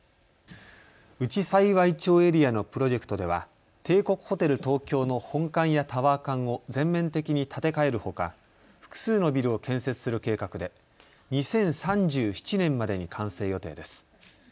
内幸町エリアのプロジェクトでは帝国ホテル東京の本館やタワー館を全面的に建て替えるほか複数のビルを建設する計画で２０３７年までに完成予定です。